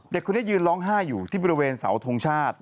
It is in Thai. เด็กคนนี้ยืนร้องไห้อยู่ที่บริเวณเสาทงชาติ